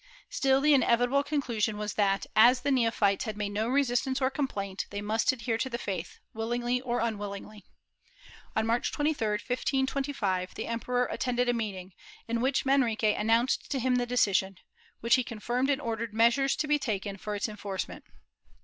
Still, the inevitable conclusion was that, as the neophytes had made no resistance or complaint, they must adhere to the faith, willingly or unwillingly. On March 23, 1525, the emperor attended a meeting, in which Manrique announced to him the decision, which he confirmed and ordered measures to be taken for its enforcement.